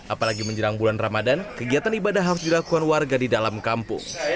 apalagi menjelang bulan ramadan kegiatan ibadah harus dilakukan warga di dalam kampung